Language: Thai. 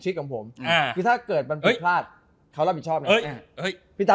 ถ้าเกิดว่ามันผิดพลาด